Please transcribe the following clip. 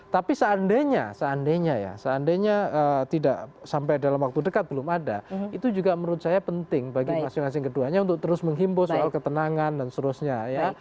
tapi seandainya seandainya ya seandainya tidak sampai dalam waktu dekat belum ada itu juga menurut saya penting bagi masing masing keduanya untuk terus menghimpu soal ketenangan dan seterusnya ya